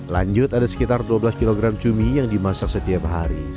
lanjut ada sekitar dua belas kg cumi yang dimasak setiap hari